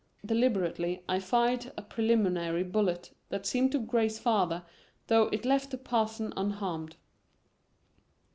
Deliberately I fired a preliminary bullet that seemed to graze father, though it left the Parson unharmed.